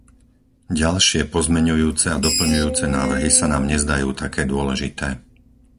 Ďalšie pozmeňujúce a doplňujúce návrhy sa nám nezdajú také dôležité.